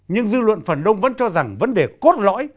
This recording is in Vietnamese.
nhưng dư luận phần đông vẫn cho rằng vấn đề cốt lõi